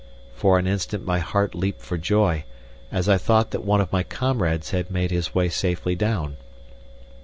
For an instant my heart leaped for joy, as I thought that one of my comrades had made his way safely down.